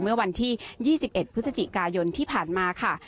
เมื่อวันที่๒๑พฤศจิกายนที่ผ่านมาค่ะ